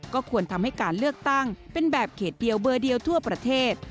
ก็ควรทำให้การเลือกตั้งเป็นแบบเขตเดียวเบอร์เดียวทั่วประเทศ